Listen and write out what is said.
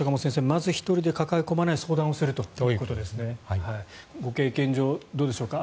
まず１人で抱え込まない相談をするということですね。